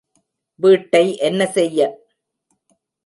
வீட்டை என்ன செய்ய?